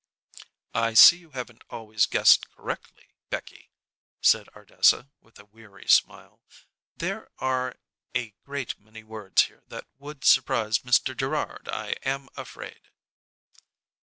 "I see you haven't always guessed correctly, Becky," said Ardessa, with a weary smile. "There are a great many words here that would surprise Mr. Gerrard, I am afraid."